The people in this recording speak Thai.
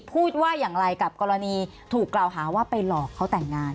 พูดว่าอย่างไรกับกรณีถูกกล่าวหาว่าไปหลอกเขาแต่งงาน